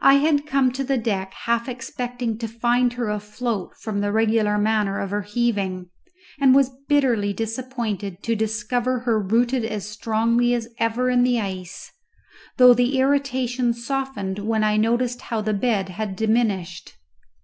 I had come to the deck half expecting to find her afloat from the regular manner of her heaving, and was bitterly disappointed to discover her rooted as strongly as ever in the ice, though the irritation softened when I noticed how the bed had diminished.